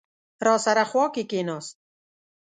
راسره خوا کې کېناست.